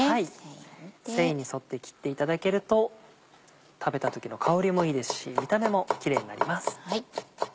繊維に沿って切っていただけると食べた時の香りもいいですし見た目もキレイになります。